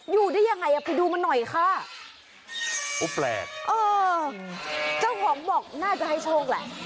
อยู่ได้ยังไงอ่ะไปดูมันหน่อยค่ะโอ้แปลกเออเจ้าของบอกน่าจะให้โชคแหละ